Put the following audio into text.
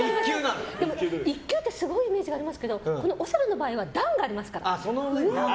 １級ってすごいイメージありますけどオセロの場合は段がありますから。